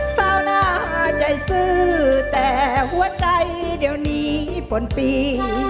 สาวหน้าใจซื้อแต่หัวใจเดี๋ยวนี้ปนปี